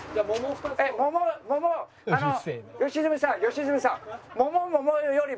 あの良純さん良純さん。